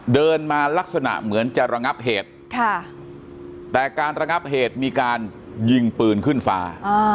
เดินมาลักษณะเหมือนจะระงับเหตุแต่การระงับเหตุมีการยิงปืนขึ้นฟ้า